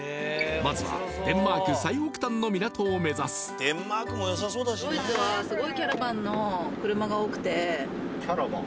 まずはデンマーク最北端の港を目指すキャラバン？